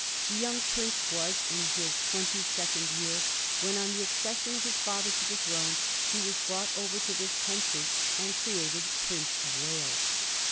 The young prince was in his twenty second year when, on the accession of his father to the throne, he was brought over to this country and created Prince of Wales.